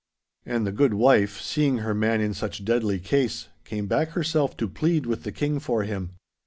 And the good wife, seeing her man in such deadly case, came back herself to plead with the King for him.